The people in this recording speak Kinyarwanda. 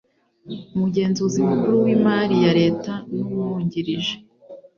Umugenzuzi Mukuru w’Imari ya Leta n’Umwungirije